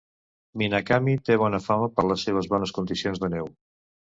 Minakami té bona fama per les seves bones condicions de neu.